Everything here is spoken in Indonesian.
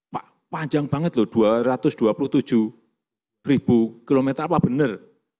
pak panjang banget loh dua ratus dua puluh tujuh ribu kilometer apa benar